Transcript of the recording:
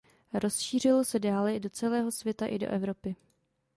Rozšířilo se dále do celého světa i do Evropy.